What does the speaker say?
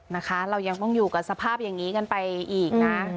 นะคะเรายังต้องอยู่กับสภาพอย่างนี้กันไปอีกนะ